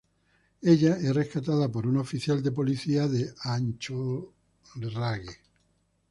Ella es rescatada por un oficial de policía de Anchorage.